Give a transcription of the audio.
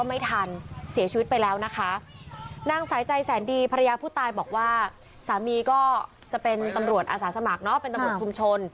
อาศาสมัครเป็นตำรวจชุมชน